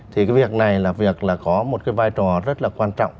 điểm nữa là việc có một vai trò rất quan trọng